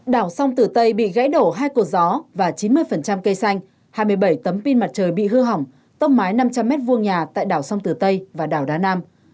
đảo sông tử tây bị gãy đổ hai cột gió và chín mươi cây xanh hai mươi bảy tấm pin mặt trời bị hư hỏng tốc mái năm trăm linh m hai nhà tại đảo sông tử tây và đảo đá nam